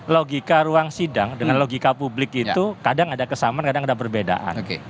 logika ruang sidang dengan logika publik itu kadang ada kesamaan kadang ada perbedaan